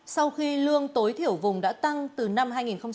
sau khi lương tối thiểu vùng đã tăng từ năm hai nghìn một mươi